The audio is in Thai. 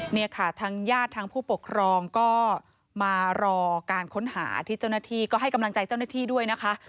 เนี่ยค่ะทางญาติทางผู้ปกครองก็มารอการค้นหาที่เจ้าหน้าที่ก็ให้กำลังใจเจ้าหน้าที่ด้วยนะคะ